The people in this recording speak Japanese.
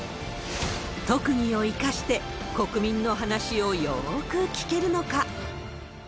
特技を生かして、国民の話をよーく聞けるのか。